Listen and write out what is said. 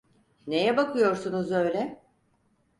Neye bakıyorsunuz öyle?